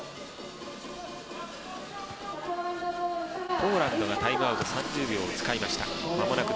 ポーランドがタイムアウト３０秒を使いました。